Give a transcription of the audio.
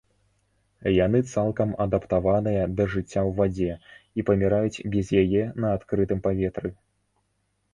Яны цалкам адаптаваныя да жыцця ў вадзе і паміраюць без яе на адкрытым паветры.